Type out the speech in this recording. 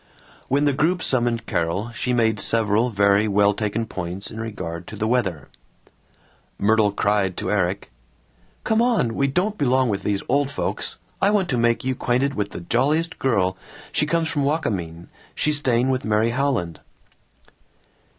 When the group summoned Carol she made several very well taken points in regard to the weather. Myrtle cried to Erik, "Come on! We don't belong with these old folks. I want to make you 'quainted with the jolliest girl, she comes from Wakamin, she's staying with Mary Howland."